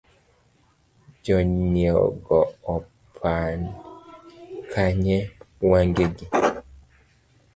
jonyiego opand kanye wangegi?